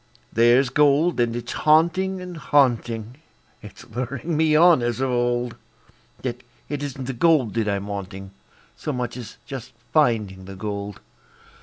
There's gold, and it's haunting and haunting; It's luring me on as of old; Yet it isn't the gold that I'm wanting So much as just finding the gold.